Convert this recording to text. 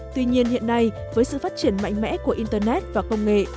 tuy nhiên hiện nay với sự phát triển mạnh mẽ của internet và công nghệ